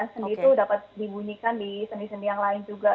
sendi itu dapat dibunyikan di sendi sendi yang lain juga